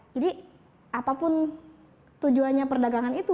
jadi apapun tujuannya perdagangan itu